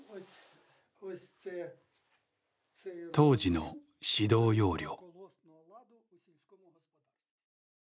当時の指導要領。